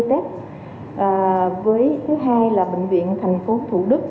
một hai trăm năm mươi test với thứ hai là bệnh viện thành phố thủ đức